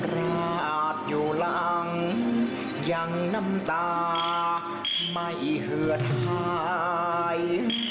ราดอยู่หลังยังน้ำตาไม่เหือดหาย